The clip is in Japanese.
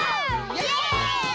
イエイ！